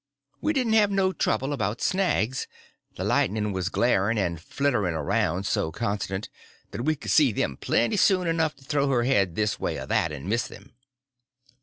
We didn't have no trouble about snags; the lightning was glaring and flittering around so constant that we could see them plenty soon enough to throw her head this way or that and miss them.